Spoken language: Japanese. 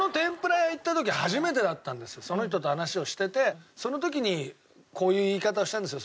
その人と話をしててその時にこういう言い方をしたんですよ